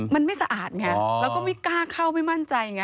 มันไม่สะอาดไงแล้วก็ไม่กล้าเข้าไม่มั่นใจไง